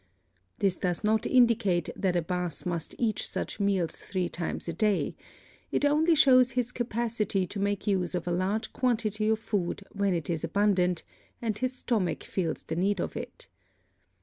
This does not indicate that a bass must eat such meals three times each day, it only shows his capacity to make use of a large quantity of food when it is abundant and his stomach feels the need of it.